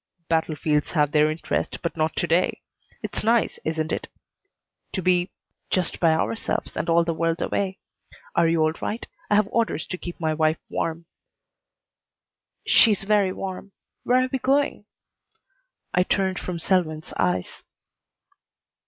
"Battlefields have their interest, but not to day. It's nice, isn't it, to be just by ourselves and all the world away? Are you all right? I have orders to keep my wife warm." "She's very warm. Where are we going?" I turned from Selwyn's eyes.